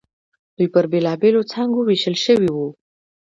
دوی پر بېلابېلو څانګو وېشل شوي وو.